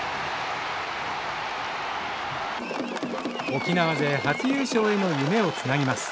沖縄勢初優勝への夢をつなぎます。